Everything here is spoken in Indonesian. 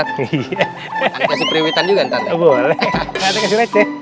nanti kasih priwitan juga nanti